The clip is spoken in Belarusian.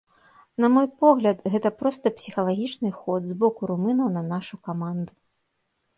На мой погляд, гэта проста псіхалагічны ход з боку румынаў на нашу каманду.